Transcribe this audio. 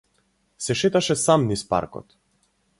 Се шеташе сам низ паркот.